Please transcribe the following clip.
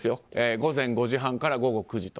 午前５時半から午後９時と。